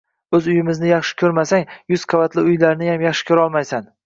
O‘z uyimizni yaxshi ko‘rmasang, yuz qavatli uylarniyam yaxshi ko‘rolmaysan.